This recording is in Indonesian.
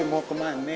eh mau kemana